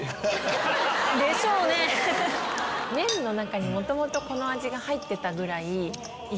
麺の中に元々この味が入ってたぐらい。